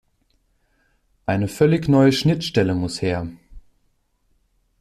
Eine völlig neue Schnittstelle muss her.